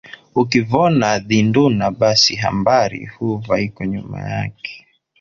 Ukivona dhinduna basi hambari huva iko nyuma ake.